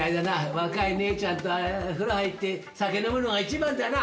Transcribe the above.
若い姉ちゃんと風呂入って酒飲むのが一番だな！